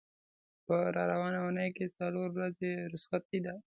په را روانې اوونۍ کې څلور ورځې رخصتي ده.